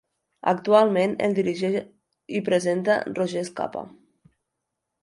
Actualment el dirigeix i presenta Roger Escapa.